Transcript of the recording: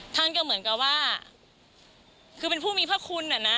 ท่านก็เหมือนกับว่าคือเป็นผู้มีพระคุณอ่ะนะ